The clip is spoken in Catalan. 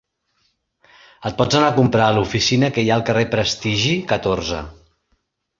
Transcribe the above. El pots anar a comprar a l'oficina que hi ha al carrer Prestigi, catorze.